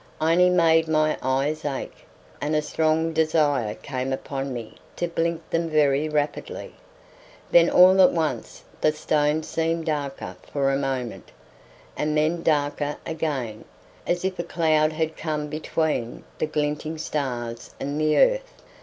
I only made my eyes ache, and a strong desire came upon me to blink them very rapidly. Then all at once the stone seemed darker for a moment, and then darker again, as if a cloud had come between the glinting stars and the earth.